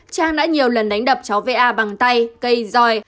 trang đã nhiều lần đánh đập cháu va bằng tay cây roi